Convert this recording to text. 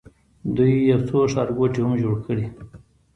دوی یو څو ښارګوټي هم جوړ کړي.